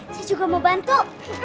saya juga mau bantu